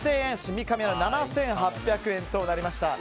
三上アナは７８００円となりました。